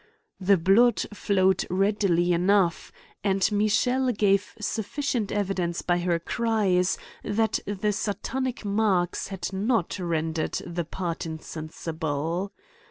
The blood flowed readily enough, and Michelle gave sufficient evidence by her cries, that the satanic marks had not rendered the part insensible.